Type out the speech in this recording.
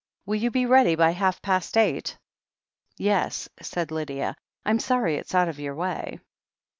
Will you be ready by half past eight?" "Yes," said Lydia. "I'm sorry it's out of your way."